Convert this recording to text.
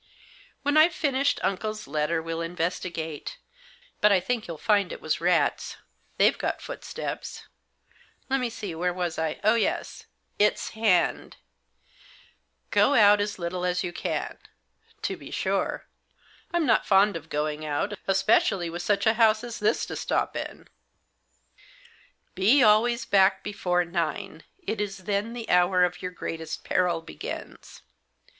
"When I've finished uncle's letter we'll investi gate; but I think you'll find it was rats — they've got footsteps. Let me see, where was I ? Oh, yes —' Its hand' "Go out as little as you can.' To be sure. I'm not fond of going out — especially with such a house as this to stop in. ' Be always back before nine. It is then the hour of your greatest peril begins.